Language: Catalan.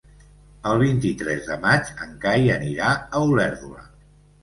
El vint-i-tres de maig en Cai anirà a Olèrdola.